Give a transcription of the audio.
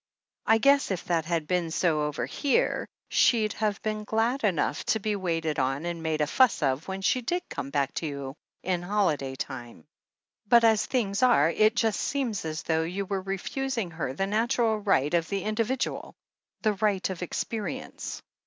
I guess if that had been so over here, she'd have been glad enough to be waited on and made a fuss of when she did come back to you in holiday time. But as things are, it just seems as though you were refusing her the natural right of the individual — the right of experience."